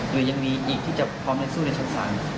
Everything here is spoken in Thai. หรือยังมีอีกที่จะพร้อมจะสู้ในชั้นศาล